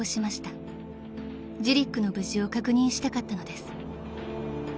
［ジリックの無事を確認したかったのです］